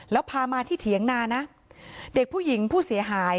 แล้วพามาที่เถียงนานะเด็กผู้หญิงผู้เสียหาย